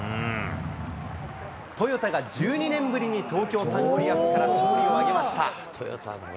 トヨタが１２年ぶりに東京サンゴリアスから勝利を挙げました。